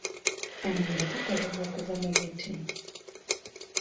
Amanda gakolebwa kuva mu miti.